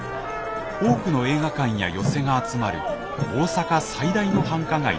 多くの映画館や寄席が集まる大阪最大の繁華街です。